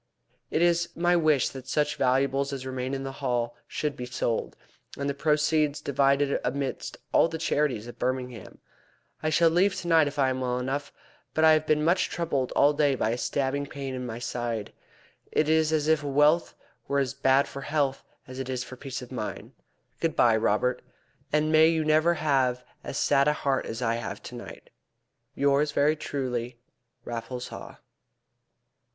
It is my wish that such valuables as remain in the Hall should be sold, and the proceeds divided amidst all the charities of Birmingham. I shall leave tonight if I am well enough, but I have been much troubled all day by a stabbing pain in my side. It is as if wealth were as bad for health as it is for peace of mind. Good bye, Robert, and may you never have as sad a heart as I have to night. Yours very truly, RAFFLES HAW."